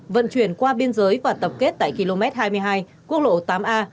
vận chuyển qua biên giới và tập kết tại km hai mươi hai quốc lộ tám a